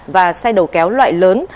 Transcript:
và xe đầu kéo loại lớn